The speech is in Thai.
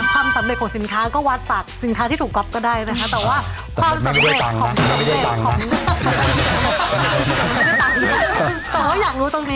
ความสำเร็จของสินค้าก็วัดจากสินค้าที่ถูกก๊อปก็ได้นะครับ